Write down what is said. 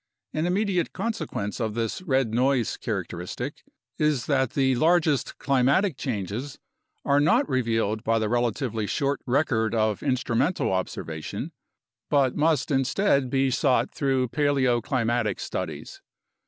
An immediate consequence of this "red noise" characteristic is that the largest climatic changes are not revealed by the relatively short record of instrumental observation but must instead be sought through paleo climatic studies.